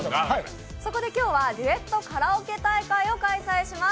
そこで今日はデュエットカラオケ大会を開催します。